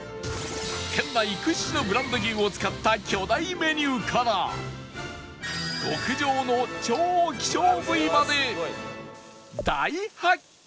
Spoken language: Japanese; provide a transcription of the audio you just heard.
県内屈指のブランド牛を使った巨大メニューから極上の超希少部位まで大発見！